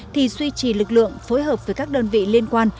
thì duy trì lực lượng phối hợp với các đơn vị liên quan